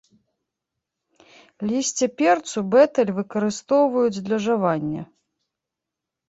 Лісце перцу бетэль выкарыстоўваюць для жавання.